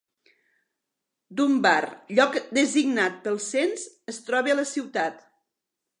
Dunbar, lloc designat pel cens, es troba a la ciutat.